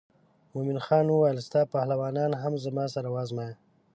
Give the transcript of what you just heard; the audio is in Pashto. مومن خان وویل ستا پهلوانان هم زما سره وازمایه.